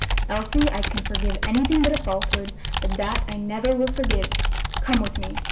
Elsie, I can forgive anything but falsehood, but that I never will forgive. Come with me.